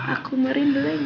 aku merindu lagi